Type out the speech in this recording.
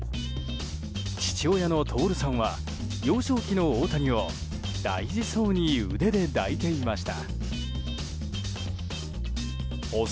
父親の徹さんは幼少期の大谷を大事そうに腕で抱いていました。